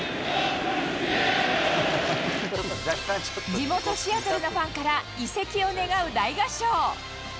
地元シアトルのファンから、移籍を願う大合唱。